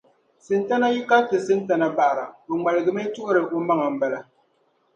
Sintana yi kariti Sintana bahira, o ŋmaligimi tuhir’ omaŋa m-bala.